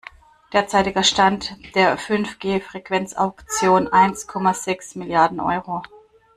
Derzeitiger Stand der Fünf-G-Frequenzauktion: Eins Komma sechs Milliarden Euro.